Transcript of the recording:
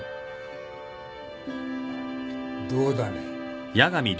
どうだね？